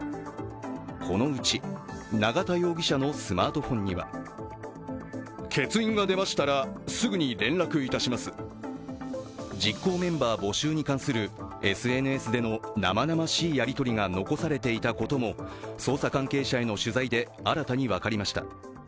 このうち永田容疑者のスマートフォンには実行メンバー募集に関するＳＮＳでの生々しいやりとりが残されていたことも捜査関係者への取材で新たに分かりました。